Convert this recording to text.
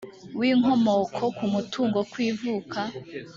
w inkomoko ku mutungo ku ivuka